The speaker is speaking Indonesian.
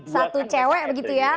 satu cewek begitu ya